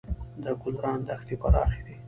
د ګلران دښتې پراخې دي